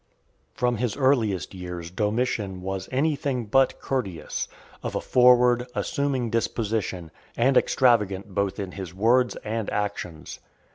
From his earliest years Domitian was any thing but courteous, of a forward, assuming disposition, and extravagant both in his words and actions.